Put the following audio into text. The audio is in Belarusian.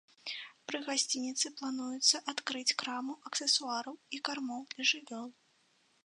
Пры гасцініцы плануецца адкрыць краму аксесуараў і кармоў для жывёл.